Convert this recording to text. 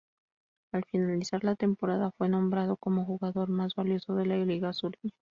Al finalizar la temporada fue nombrado como Jugador Más Valioso de la Liga Sureña.